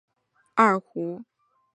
不久将南唐军队赶出泉漳二州。